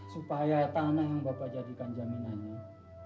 supaya tanah yang bapak jadikan jaminannya